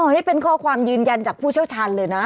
นี่เป็นข้อความยืนยันจากผู้เชี่ยวชาญเลยนะ